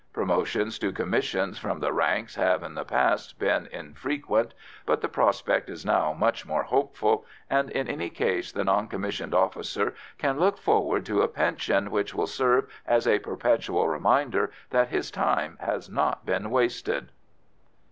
Promotions to commissions from the ranks have, in the past, been infrequent; but the prospect is now much more hopeful, and, in any case, the non commissioned officer can look forward to a pension which will serve as a perpetual reminder that his time has not been wasted.